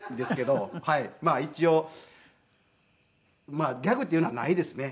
まあギャグっていうのはないですね